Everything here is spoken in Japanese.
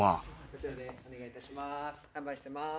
こちらでお願いします。